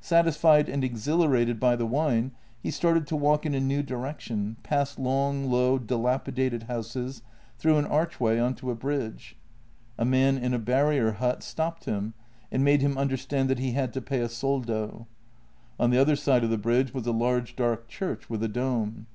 Satis fied and exhilarated by the wine, he started to walk in a new direction, past long, low, dilapidated houses, through an arch way on to a bridge. A man in a barrier hut stopped him and made him understand that he had to pay a soldo. On the other side of the bridge was a large, dark church with a dome.